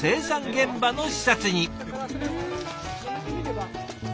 現場の視察に。